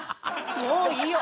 もういいよ！